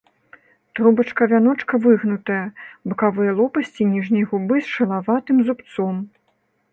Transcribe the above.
Трубачка вяночка выгнутая, бакавыя лопасці ніжняй губы з шылаватым зубцом.